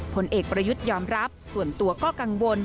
ผลเอกประยุทธ์ยอมรับส่วนตัวก็กังวล